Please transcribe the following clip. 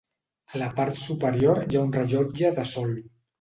A la part superior hi ha un rellotge de sol.